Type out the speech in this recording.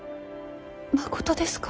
まことですか？